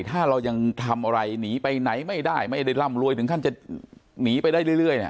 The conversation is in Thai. ถ้าเรายังทำอะไรหนีไปไหนไม่ได้ไม่ได้ร่ำรวยถึงขั้นจะหนีไปได้เรื่อย